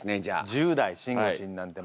１０代しんごちんなんてまだ。